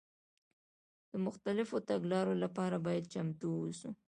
د مختلفو تګلارو لپاره باید چمتو واوسو.